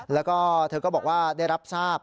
แล้วก็เธอก็บอกว่าได้รับทราบ